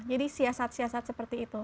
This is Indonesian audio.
jadi siasat siasat seperti itu